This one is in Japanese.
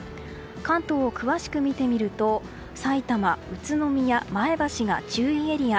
関東を詳しく見てみるとさいたま、宇都宮、前橋が注意エリア。